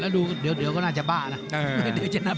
แล้วดูเดี๋ยวก็น่าจะบ้านะ